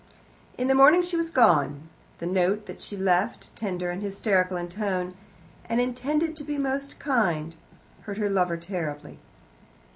In the morning she was gone. The note that she left, tender and hysterical in tone, and intended to be most kind, hurt her lover terribly.